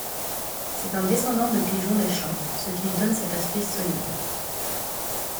C'est un descendant de pigeons des champs, ce qui lui donne cet aspect solide.